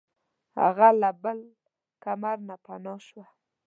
هغه له بل کمر نه پناه شوه.